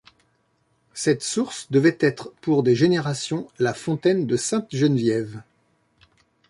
Cette source devait être pour des générations la fontaine de Sainte-Geneviève.